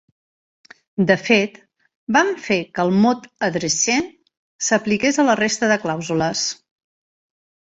De fet, van fer que el mot "a dretcient" s'apliqués a la resta de clàusules.